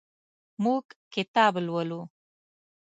موږ کتاب لولو.